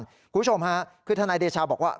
คุณผู้ชมค่ะคือทนายเดชาบอกว่า